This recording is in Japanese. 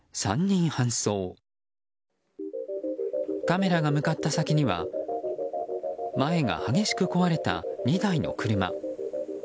カメラが向かった先には前が激しく壊れた２台の車。